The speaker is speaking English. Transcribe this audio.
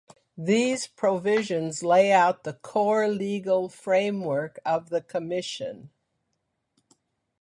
These provisions lay out the core legal framework of the commission.